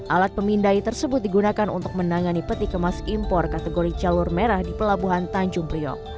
alat pemindai tersebut digunakan untuk menangani peti kemas impor kategori jalur merah di pelabuhan tanjung priok